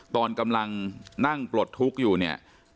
ตอนกำลังนั่งปลดทุกข์อยู่เนี่ย